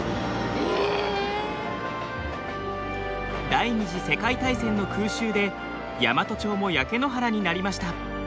第２次世界大戦の空襲で大和町も焼け野原になりました。